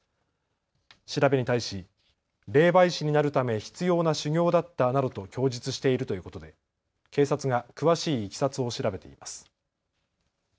調べに対し霊媒師になるため必要な修行だったなどと供述しているということで警察が詳しいいきさつを調べています。